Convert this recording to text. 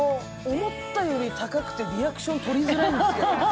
思ったより高くてリアクションとりづらいんですけど。